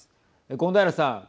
権平さん。